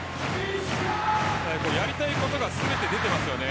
やりたいことが全て出ていますよね。